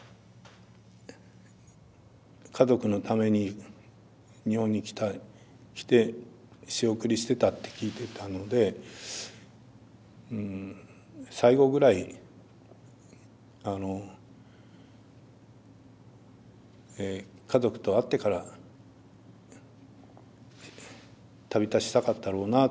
家族のために日本に来て仕送りしてたって聞いてたので最期ぐらい家族と会ってから旅立ちたかったろうなと。